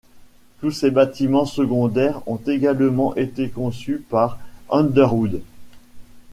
Tous ces bâtiments secondaires ont également été conçus par Underwood.